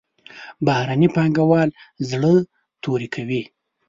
بهرني پانګوال زړه تور کوي.